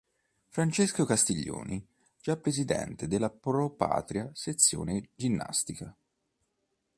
Francesco Castiglioni, già presidente della Pro Patria-Sezione Ginnastica.